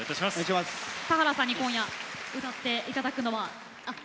田原さんに今夜歌って頂くのは。